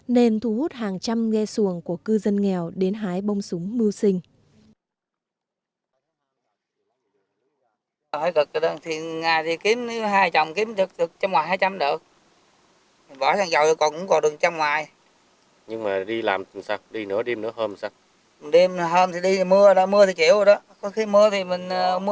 nên thu hút hàng trăm nghe xuồng của cư dân nghèo đến hái bông súng mưu sinh